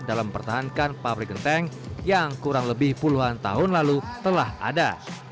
dalam mempertahankan pabrik genteng yang kurang lebih puluhan tahun lalu telah ada